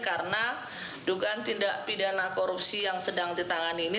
karena dugaan tindak pidana korupsi yang sedang ditangani ini